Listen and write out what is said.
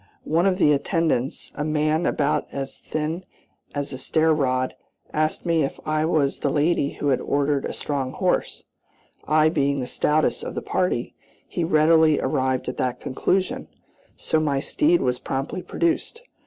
One of the attendants, a man about as thin as a stair rod, asked me if I was the lady who had ordered a strong horse; I being the stoutest of the party, he readily arrived at that conclusion, so my steed was promptly produced.